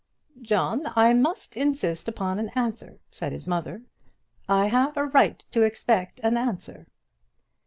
"John, I must insist upon an answer," said his mother. "I have a right to expect an answer."